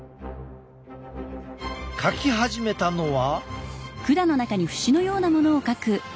描き始めたのは。